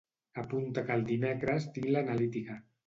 Apunta que el dimecres tinc l'analítica.